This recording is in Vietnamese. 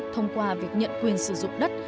thông qua việc nhận quyền sử dụng đất